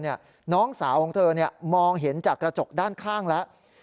น้องสาวของเธอมองเห็นจากกระจกด้านข้างแล้ว